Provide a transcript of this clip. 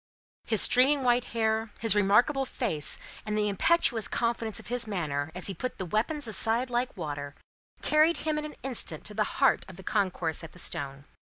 His streaming white hair, his remarkable face, and the impetuous confidence of his manner, as he put the weapons aside like water, carried him in an instant to the heart of the concourse at the stone.